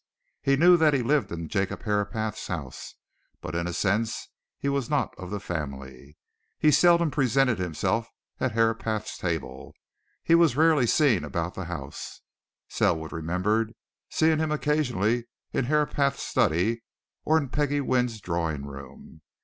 He knew that he lived in Jacob Herapath's house, but in a sense he was not of the family. He seldom presented himself at Herapath's table, he was rarely seen about the house; Selwood remembered seeing him occasionally in Herapath's study or in Peggie Wynne's drawing room.